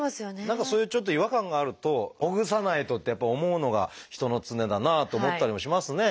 何かそういうちょっと違和感があるとほぐさないとってやっぱり思うのが人の常だなあと思ったりもしますね。